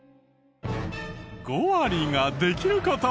５割ができる事。